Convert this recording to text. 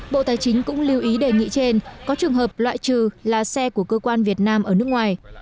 bộ tài chính cũng lưu ý đề nghị trên có trường hợp loại trừ là xe của cơ quan việt nam ở nước ngoài